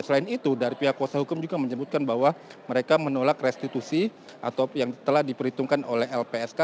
selain itu dari pihak kuasa hukum juga menyebutkan bahwa mereka menolak restitusi atau yang telah diperhitungkan oleh lpsk